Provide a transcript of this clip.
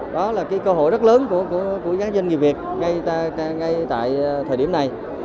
đó là cái cơ hội rất lớn của các doanh nghiệp việt ngay tại thời điểm này